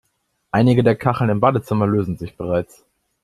Einige der Kacheln im Badezimmer lösen sich bereits.